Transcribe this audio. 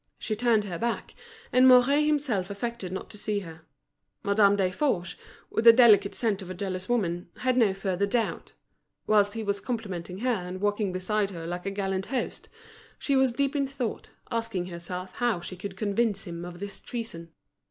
She turned her back, and Mouret himself affected not to see her. Madame Desforges, with the delicate scent of a jealous woman, had no further doubt. Whilst he was complimenting her and walking beside her, like a gallant host, she was deep in thought, asking herself how she could convince him of his treason.